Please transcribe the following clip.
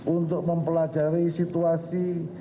untuk mempelajari situasi